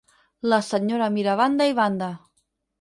La senyora mira a banda i banda.